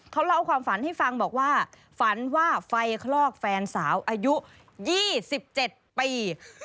เขาเล่าความฝันให้ฟังบอกว่าฝันว่าไฟคลอกแฟนสาวอายุ๒๗ปี